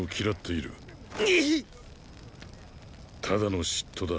ただの嫉妬だ。